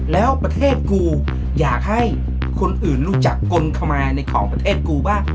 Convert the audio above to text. แล้วประเทศกูอยากให้คนอื่นรู้จักกลขมาในของประเทศกูบ้าง